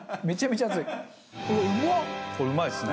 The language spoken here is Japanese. めちゃめちゃいい！